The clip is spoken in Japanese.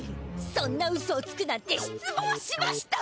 そんなウソをつくなんてしつぼうしました！